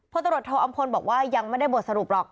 ตรวจโทอำพลบอกว่ายังไม่ได้บทสรุปหรอก